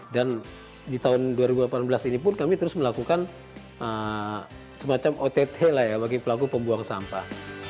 dan di tahun dua ribu delapan belas ini pun kami terus melakukan semacam ott lah ya bagi pelaku pembuang sampah